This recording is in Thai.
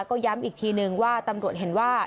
ก็ย้ำอีกทีนึงว่าตำรวจเห็นว่า